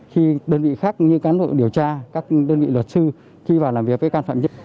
khi đơn vị khác như cán bộ điều tra các đơn vị luật sư khi vào làm việc với can phạm nhất